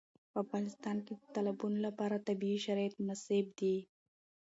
په افغانستان کې د تالابونو لپاره طبیعي شرایط مناسب دي.